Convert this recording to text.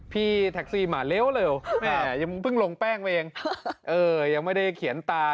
พี่แท็กซี่มาเร็วแม่ยังเพิ่งลงแป้งไปเองยังไม่ได้เขียนตา